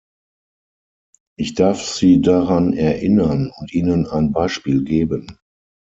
Ich darf Sie daran erinnern und Ihnen ein Beispiel geben.